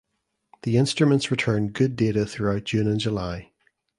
The instruments returned good data throughout June and July.